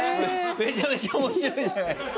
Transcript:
めちゃめちゃ面白いじゃないですか。